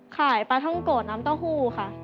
ขายปลาท่องโกะน้ำเต้าหู้ค่ะ